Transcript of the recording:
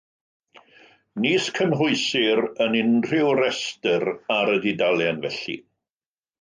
Nis cynhwysir yn unrhyw restr ar y dudalen, felly.